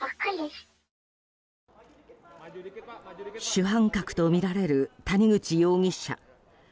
主犯格とみられる谷口容疑者。